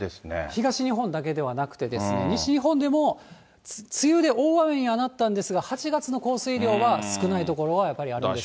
東日本だけではなくてですね、西日本でも梅雨で大雨にはなったんですが、８月の降水量は少ない所がやっぱりあるんですね。